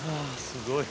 すごい。